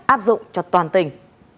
áp dụng cho toàn tỉnh